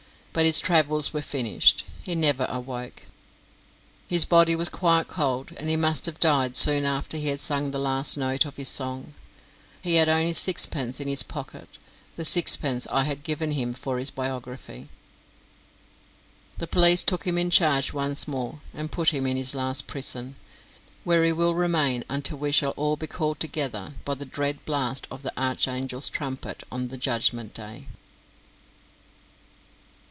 But his travels were finished; he never awoke. His body was quite cold, and he must have died soon after he had sung the last note of his song. He had only sixpence in his pocket the sixpence I had given him for his biography. The police took him in charge once more and put him in his last prison, where he will remain until we shall all be called together by the dread blast of the Archangel's trumpet on the Judgment Day.